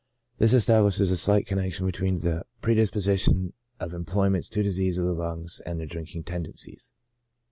This establishes a slight connection between the predispo sition of employments to diseases of the lungs and their drinking tendencies.